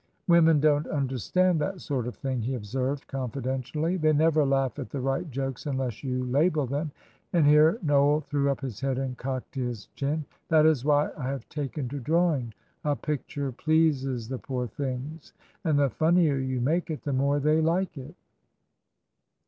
"Women don't understand that sort of thing," he observed, confidentially; "they never laugh at the right jokes unless you label them;" and here Noel threw up his head and cocked his chin. "That is why I have taken to drawing a picture pleases the poor things, and the funnier you make it, the more they like it."